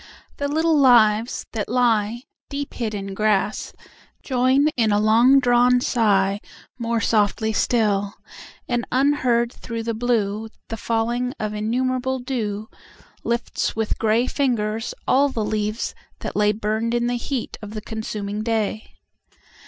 The little lives that lieDeep hid in grass join in a long drawn sighMore softly still; and unheard through the blueThe falling of innumerable dew, Lifts with grey fingers all the leaves that layBurned in the heat of the consuming day.